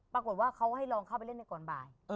ปรากฏว่าเขาให้ลองเข้าไปเล่นในก่อนบ่าย